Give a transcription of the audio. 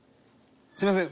すみません。